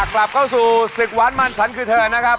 กลับเข้าสู่ศึกหวานมันฉันคือเธอนะครับ